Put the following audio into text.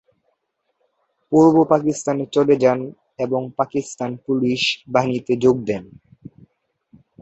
পূর্ব পাকিস্তানে চলে যান এবং পাকিস্তান পুলিশ বাহিনীতে যোগ দেন।